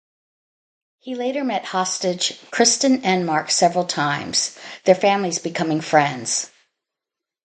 He later met hostage Kristin Enmark several times, their families becoming friends.